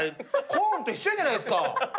コーンと一緒じゃないですか。